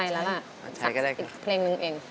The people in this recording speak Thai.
สั่งอีกเพลงนึงเอง